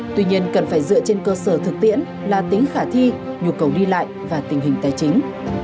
tuy nhiên cần phải dựa trên cơ sở thực tiễn là tính khả thi nhu cầu đi lại và tình hình tài chính